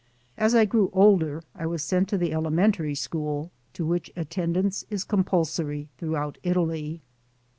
As I grew older I was sent to the elementary school, to which attendance is compulsory throughout Italy.